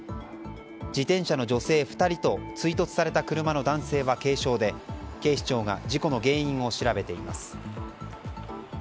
自転車の女性２人と追突された車の男性は軽傷で警視庁が事故の原因を調べています。